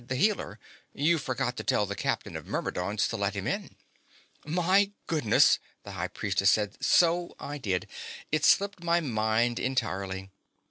"The Healer. You forgot to tell the Captain of Myrmidons to let him in." "My goodness!" the High Priestess said. "So I did! It slipped my mind entirely."